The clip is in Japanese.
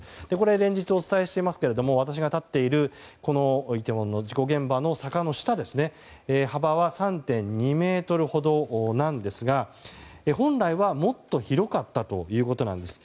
連日お伝えしていますけども私が立っているこのイテウォンの事故現場の坂の下幅は３．２ｍほどなんですが本来はもっと広かったということなんです。